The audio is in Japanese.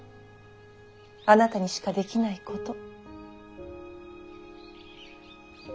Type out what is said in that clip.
あなたにしかできないこと。